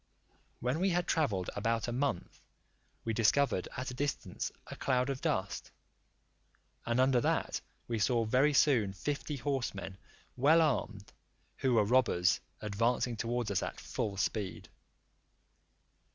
When we had travelled about a month, we discovered at a distance a cloud of dust, and under that we saw very soon fifty horsemen well armed, who were robbers, advancing towards us at full speed.